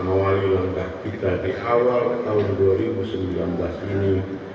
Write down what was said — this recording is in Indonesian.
mengawali langkah kita di awal tahun dua ribu sembilan belas ini